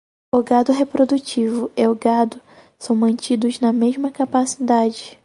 O gado reprodutivo e o gado são mantidos na mesma capacidade.